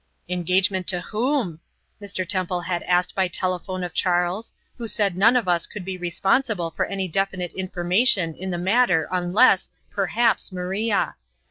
"Engagement to whom?" Mr. Temple had asked by telephone of Charles, who said none of us could be responsible for any definite information in the matter unless, perhaps, Maria.